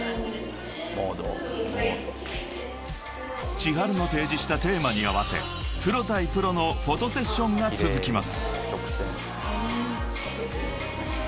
［ｃｈｉｈａｒｕの提示したテーマに合わせプロ対プロのフォトセッションが続きます］